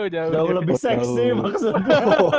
jauh lebih seksi maksudnya